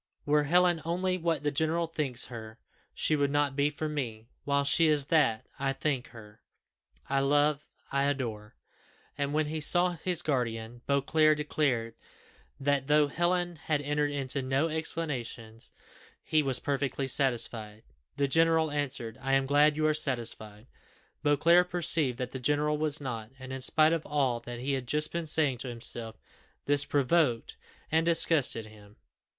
Were Helen only what the general thinks her, she would not be for me; while she is what I think her, I love I adore!" And when he saw his guardian, Beauclerc declared that, though Helen had entered into no explanations, he was perfectly satisfied. The general answered, "I am glad you are satisfied." Beauclerc perceived that the general was not; and in spite of all that he had just been saying to himself, this provoked and disgusted him.